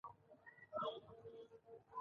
ټوپک او تلتک دواړه بشري لاسته راوړنې دي